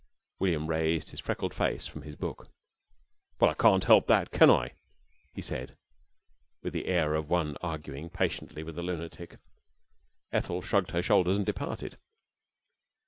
William raised his freckled face from his book. "Well, I can't help that, can I?" he said, with the air of one arguing patiently with a lunatic. Ethel shrugged her shoulders and departed.